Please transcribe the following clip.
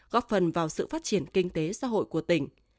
góp phần vào sự phát triển kinh tế xã hội của tỉnh